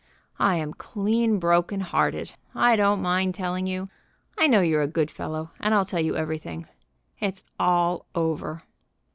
"I am clean broken hearted. I don't mind telling you. I know you're a good fellow, and I'll tell you everything. It's all over."